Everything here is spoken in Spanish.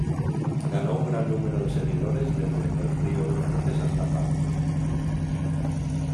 Ganó un gran número de seguidores desde el río Éufrates hasta Partia.